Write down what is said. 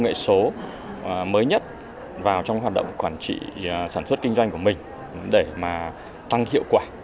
nghệ số mới nhất vào trong hoạt động quản trị sản xuất kinh doanh của mình để mà tăng hiệu quả